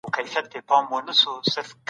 د دولت اقتصادي حالت ډېر خراب سوی و.